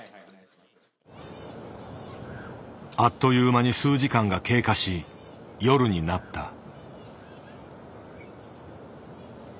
あっという間に数時間が経過し夜になった。